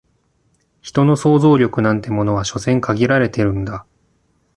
人の想像力なんてものは所詮限られてるんだ